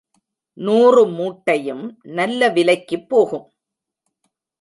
நூறு மூட்டையும் நல்ல விலைக்குப் போகும்.